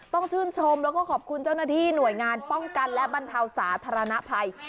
ต้องชื่นชมแล้วก็ขอบคุณเจ้าหน้าที่หน่วยงานป้องกันและบรรเทาสาธารณภัย